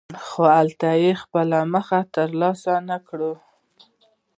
خو هلته یې خپله موخه ترلاسه نکړه.